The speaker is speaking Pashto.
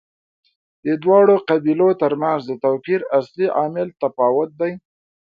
د دواړو قبیلو ترمنځ د توپیر اصلي عامل تفاوت دی.